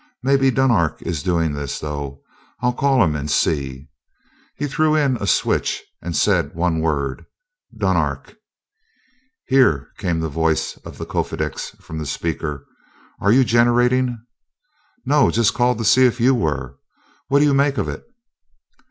Maybe Dunark is doing this, though. I'll call him and see." He threw in a switch and said one word "Dunark!" "Here!" came the voice of the Kofedix from the speaker. "Are you generating?" "No just called to see if you were. What do you make of it?"